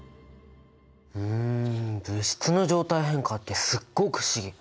うん物質の状態変化ってすっごく不思議。